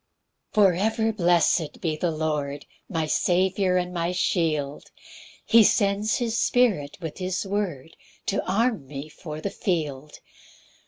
1 For ever blessed be the Lord, My Saviour and my shield; He sends his Spirit with his word To arm me for the field.